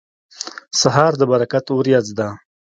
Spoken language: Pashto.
سهار د برکت وریځ ده.